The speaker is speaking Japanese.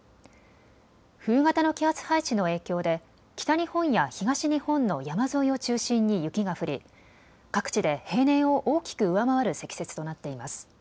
冬型の気圧配置の影響で北日本や東日本の山沿いを中心に雪が降り各地で平年を大きく上回る積雪となっています。